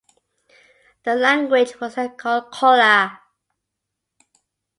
The language was then called Colla.